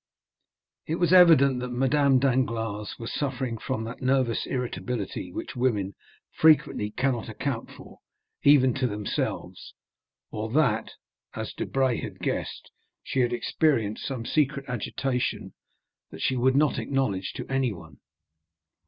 It was evident that Madame Danglars was suffering from that nervous irritability which women frequently cannot account for even to themselves; or that, as Debray had guessed, she had experienced some secret agitation that she would not acknowledge to anyone.